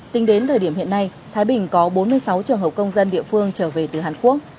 tính đến thời điểm hiện nay thái bình có bốn mươi sáu trường hợp công dân địa phương trở về từ hàn quốc